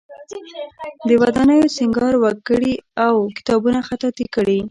د ودانیو سینګار وکړي او کتابونه خطاطی کړي.